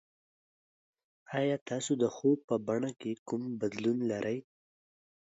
ایا تاسو د خوب په بڼه کې کوم بدلون لرئ؟